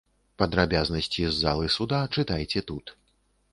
Падрабязнасці з залы суда чытайце тут.